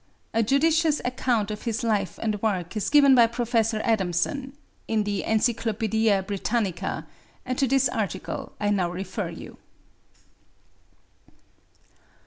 A judicious account of his life and work is given by Prof. Adamson, in the Encyclopædia Britannica, and to this article I now refer you.